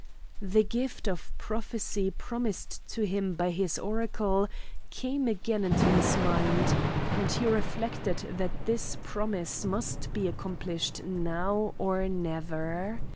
The gift of prophecy promised to him by his oracle came again into his mind, and he reflected that this promise must be accomplished now or never.